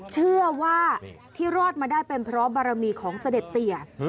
เชื่อว่าที่รอดมาได้เป็นเพราะบารมีของเสด็จเตีย